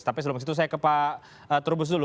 tapi sebelum itu saya ke pak terubus dulu